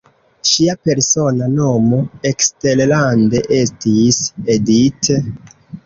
Ŝia persona nomo eksterlande estis "Edith".